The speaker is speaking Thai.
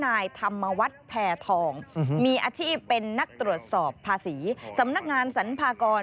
นายธรรมวัฒน์แพทองมีอาชีพเป็นนักตรวจสอบภาษีสำนักงานสรรพากร